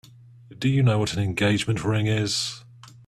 Do you know what an engagement ring is?